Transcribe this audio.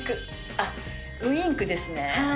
あっ、ウインクですね。